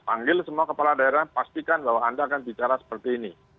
panggil semua kepala daerah pastikan bahwa anda akan bicara seperti ini